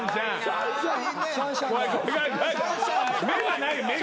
目がない目が。